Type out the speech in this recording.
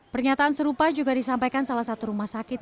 pernyataan serupa juga disampaikan salah satu rumah sakit